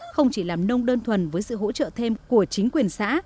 không chỉ làm nông đơn thuần với sự hỗ trợ thêm của chính quyền xã